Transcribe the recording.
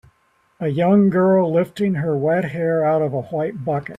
a young girl lifting her wet hair out of a white bucket